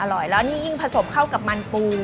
อร่อยแล้วนี่ยิ่งผสมเข้ากับมันปู